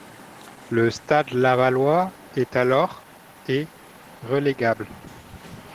Le Stade lavallois est alors et relégable.